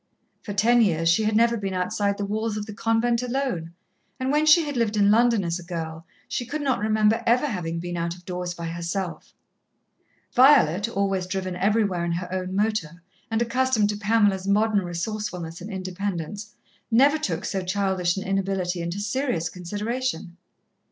For ten years she had never been outside the walls of the convent alone, and when she had lived in London as a girl, she could not remember ever having been out of doors by herself. Violet, always driven everywhere in her own motor, and accustomed to Pamela's modern resourcefulness and independence, never took so childish an inability into serious consideration.